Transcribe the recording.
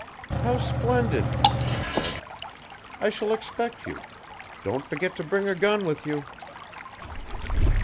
"How splendid!" she said. "I shall expect you. Don't forget to bring a gun with you."